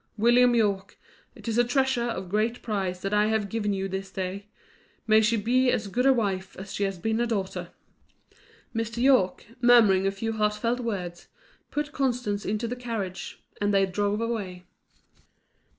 William Yorke, it is a treasure of great price that I have given you this day. May she be as good a wife as she has been a daughter!" Mr. Yorke, murmuring a few heartfelt words, put Constance into the carriage, and they drove away.